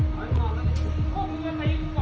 สวัสดีครับ